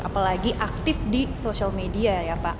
apalagi aktif di sosial media ya pak